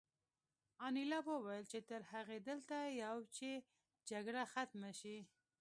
انیلا وویل چې تر هغې دلته یو چې جګړه ختمه شي